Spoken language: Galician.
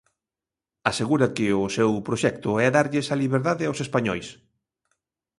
Asegura que o seu proxecto é darlles a liberdade aos españois.